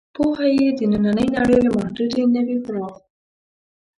پوهه یې د نننۍ نړۍ له محدودې نه وي پراخ.